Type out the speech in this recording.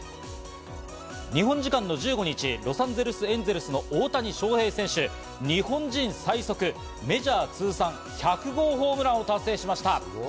日本時間１５日、ロサンゼルス・エンゼルスの大谷翔平選手、日本人最速メジャー通算１００号ホームランを達成しました。